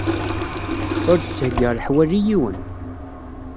Ur d-ttheyyiɣ leḥwal i yiwen.